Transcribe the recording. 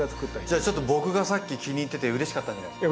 じゃあ僕がさっき気に入っててうれしかったんじゃないですか？